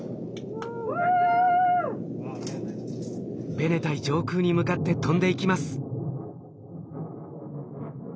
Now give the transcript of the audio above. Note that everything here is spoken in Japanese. ベネタイ上空に向かって飛んでいきます。